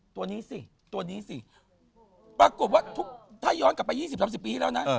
ตัวนี้สิตัวนี้สิปรากฏว่าทุกถ้าย้อนกลับไป๒๐๓๐ปีที่แล้วนะ